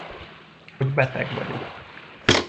Hogy beteg vagyok.